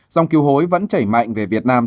dòng kiều hối vẫn chảy mạnh về việt nam